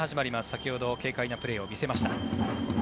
先ほどは軽快なプレーを見せました。